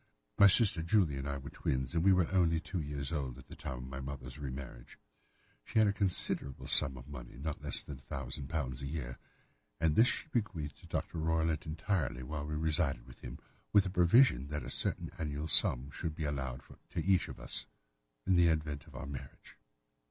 My sister Julia and I were twins, and we were only two years old at the time of my mother's re marriage. She had a considerable sum of money—not less than £ 1000 a year—and this she bequeathed to Dr. Roylott entirely while we resided with him, with a provision that a certain annual sum should be allowed to each of us in the event of our marriage.